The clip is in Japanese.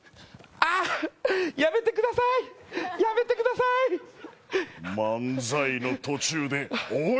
あっやめてください、やめてください。